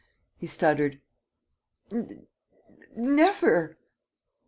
he stuttered. "Never!"